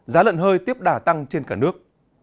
giá lợn hơi tiếp đà tăng trên cả nước